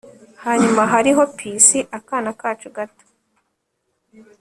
hanyuma hariho Pixie akana kacu gato